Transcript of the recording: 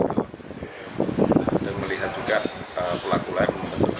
dan melihat juga pelaku lain menentukan kepala anaknya di titik titik